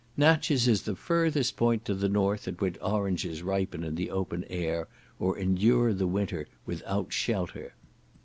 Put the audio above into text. Natches is the furthest point to the north at which oranges ripen in the open air, or endure the winter without shelter.